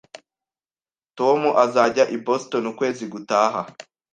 Tom azajya i Boston ukwezi gutaha